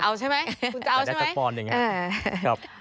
จะเอาใช่ไหมคุณจะเอาใช่ไหมเออครับ